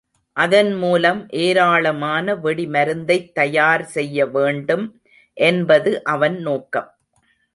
அதன்மூலம் ஏராளமான வெடி மருந்தைத் தயார் செய்யவேண்டும் என்பது அவன் நோக்கம்.